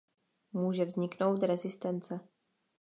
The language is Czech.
Může vzniknout rezistence.